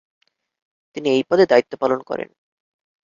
তিনি এই পদে দায়িত্ব পালন করেন।